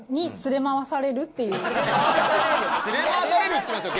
「連れ回される」って言ってるんですよ